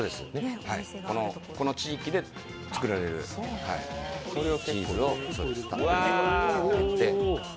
この地域で作られるチーズをたっぷりと。